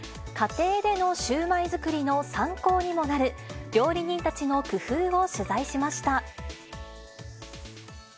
家庭でのシューマイ作りの参考にもなる、料理人たちの工夫を取材しました。